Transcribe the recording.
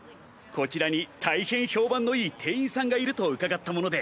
こちらに大変評判のいい店員さんがいると伺ったもので。